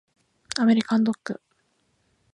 アメリカンドッグ